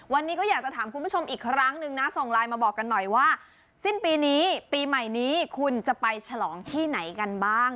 วันนี้ก็อยากจะถามคุณผู้ชมอีกครั้งนึงนะส่งไลน์มาบอกกันหน่อยว่าสิ้นปีนี้ปีใหม่นี้คุณจะไปฉลองที่ไหนกันบ้าง